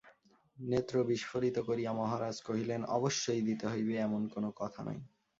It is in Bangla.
নেত্র বিস্ফারিত করিয়া মহারাজ কহিলেন, অবশ্যই দিতে হইবে, এমন কোনো কথা নাই।